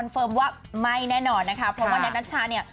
เฟิร์มว่าไม่แน่นอนนะคะเพราะว่าแท็กนัชชาเนี่ย